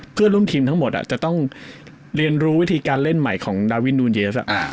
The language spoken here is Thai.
เพื่อนร่วมทีมทั้งหมดจะต้องเรียนรู้วิธีการเล่นใหม่ของดาวินนูนเยส